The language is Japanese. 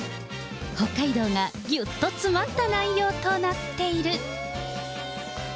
北海道がぎゅっと詰まった内容となっている。